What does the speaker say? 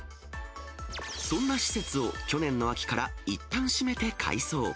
そんな施設を、去年の秋からいったん閉めて改装。